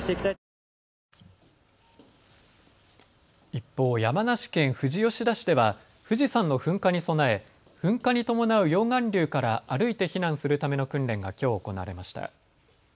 一方、山梨県富士吉田市では富士山の噴火に備え噴火に伴う溶岩流から歩いて避難するための訓練がきょう行われました。